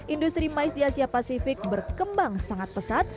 industri mais di asia pasifik berkembang sangat pesat